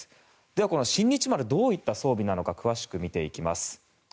では、この「新日丸」どういった装備なのか詳しく見ていきます。